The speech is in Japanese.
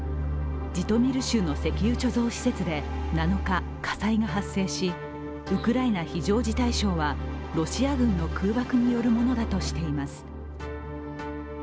ジトミル州の石油貯蔵施設で７日、火災が発生しウクライナ非常事態省はロシア軍の空爆によるものだとしています。